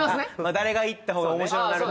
・誰が行った方が面白くなるか・